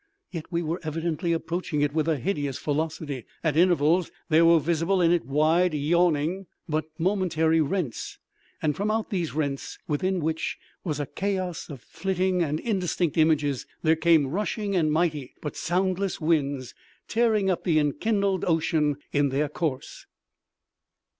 Yet we were evidently approaching it with a hideous velocity. At intervals there were visible in it wide, yawning, but momentary rents, and from out these rents, within which was a chaos of flitting and indistinct images, there came rushing and mighty, but soundless winds, tearing up the enkindled ocean in their course.